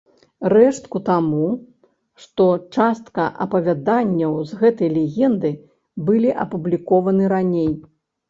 Рэштку таму, што частка апавяданняў з гэтай легенды былі апублікаваны раней.